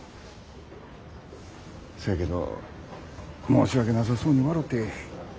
そやけど申し訳なさそうに笑て。